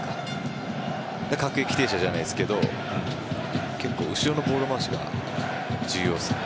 各駅停車じゃないですけど後ろのボール回しが重要ですね。